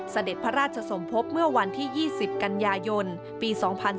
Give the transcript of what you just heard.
เสด็จพระราชสมภพเมื่อวันที่๒๐กันยายนปี๒๔